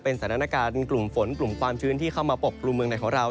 เป็นสถานการณ์กลุ่มฝนกลุ่มความชื้นที่เข้ามาปกกลุ่มเมืองไหนของเรา